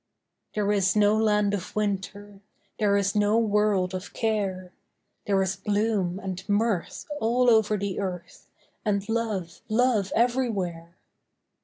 There is no land of winter; There is no world of care; There is bloom and mirth all over the earth, And love, love everywhere.